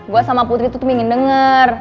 gue sama putri tuh tuh pengen denger